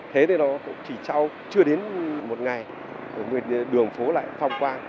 thế thì nó cũng chỉ trao chưa đến một ngày đường phố lại phong qua